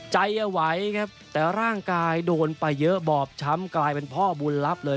ใจไหวครับแต่ร่างกายโดนไปเยอะบอบช้ำกลายเป็นพ่อบุญลับเลย